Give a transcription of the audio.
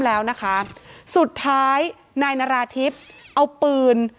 แล้วนะคะสุดท้ายนายนาราธิบเอาปืน